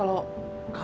kalau orang paham